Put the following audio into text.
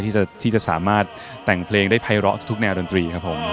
ที่จะสามารถแต่งเพลงได้ไพร้เลาะทุกแนวดนตรี